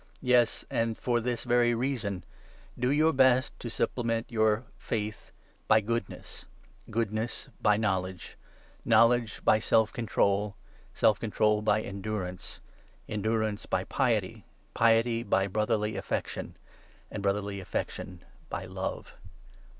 Yes, and for this very reason do your best to supplement your 5 faith by goodness, goodness by knowledge, knowledge by 6 self control, self control by endurance, endurance by piety, piety by brotherly affection, and brotherly affection by love.